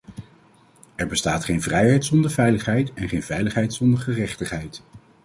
Er bestaat geen vrijheid zonder veiligheid en geen veiligheid zonder gerechtigheid.